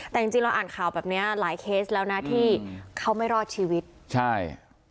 แต่จริงจริงเราอ่านข่าวแบบเนี้ยหลายเคสแล้วนะที่เขาไม่รอดชีวิตใช่